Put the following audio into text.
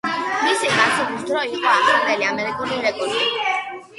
მისი გაცურვის დრო იყო ახალი ამერიკული რეკორდი.